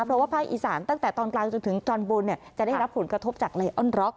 เพราะว่าภาคอีสานตั้งแต่ตอนกลางจนถึงตอนบนจะได้รับผลกระทบจากไลออนร็อก